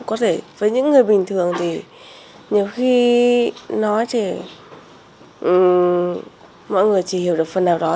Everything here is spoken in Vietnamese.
có thể với những người bình thường thì nhiều khi nói thì mọi người chỉ hiểu được phần nào đó